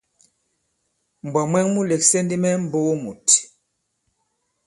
Mbwǎ mwɛ̀ŋ mu lɛ̀ksɛ̀ ndi mɛ mbogo mùt.